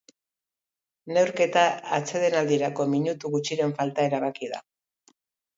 Neurketa atsedenaldirako minutu gutxiren falta erabaki da.